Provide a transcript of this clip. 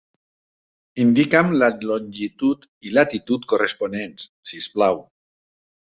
Indica'm la longitud i latitud corresponents, si us plau!